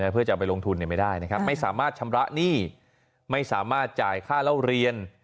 เพื่อจะไปลงทุนไม่ได้นะครับไม่สามารถชำระหนี้ไม่สามารถจ่ายค่าเล่าเรียน